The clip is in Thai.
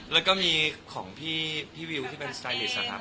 แล้วก็มีของพี่วิวที่เป็นสไตลิสนะครับ